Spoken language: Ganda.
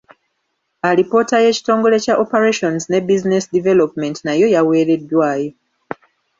Alipoota y’Ekitongole kya Operations ne Business Development nayo yaweereddwayo.